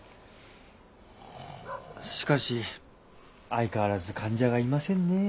しかし相変わらず患者がいませんね。